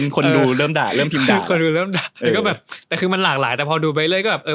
คนดูเริ่มด่าแต่แบบคือมันหลากหลายแต่พอดูไปเรื่อย